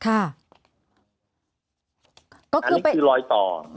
อันนี้คือรอยต่อ